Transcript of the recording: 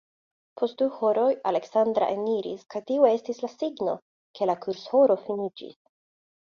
Post du horoj Aleksandra eniris kaj tio estis la signo, ke la kursohoro finiĝis.